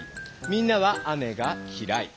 みんなは雨がきらい。